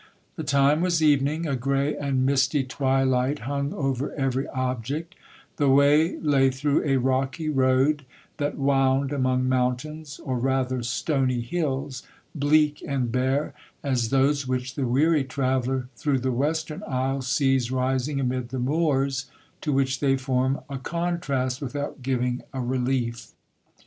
The time was evening,—a grey and misty twilight hung over every object;—the way lay through a rocky road, that wound among mountains, or rather stony hills, bleak and bare as those which the weary traveller through the western isle1 sees rising amid the moors, to which they form a contrast without giving a relief.